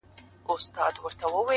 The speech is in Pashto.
• لېونوته په کار نه دي تعبیرونه ,